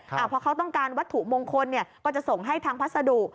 เพราะเขาต้องการวัตถุมงคลเนี่ยก็จะส่งให้ทางพัสดุ